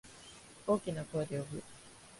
大きな声で呼ぶ。